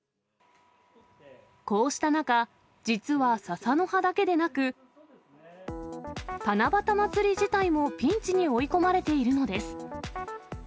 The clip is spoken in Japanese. こうした中、実は笹の葉だけでなく、七夕祭り自体もピンチに追い込まれているのです。